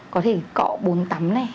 có thể cọ bốn tắm này